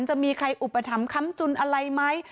จะมีใครอุปถัมภ้ำจุนอะไรไหม